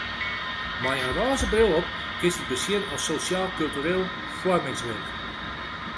Mei in rôze bril op kinst it besjen as sosjaal-kultureel foarmingswurk.